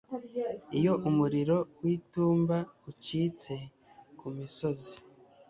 Iyo umuriro w'itumba ucitse ku misozi